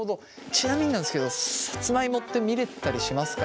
ちなみになんですけどさつまいもって見れたりしますか？